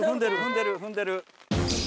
ふんでるふんでる。